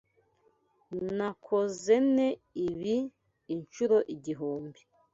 Nakozene ibi inshuro igihumbi.